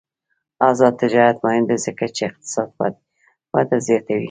آزاد تجارت مهم دی ځکه چې اقتصادي وده زیاتوي.